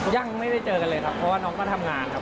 ยังไม่ได้เจอกันเลยครับเพราะว่าน้องก็ทำงานครับ